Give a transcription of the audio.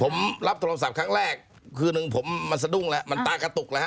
ผมรับโทรภังศาสตร์ครั้งแรกคือหนึ่งผมมันสะดุ้งละมันตากระตุกละฮะ